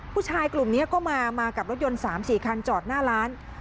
ผู้ชายกลุ่มนี้ก็มากับรถยนต์๓๔คันจอดหน้าร้าน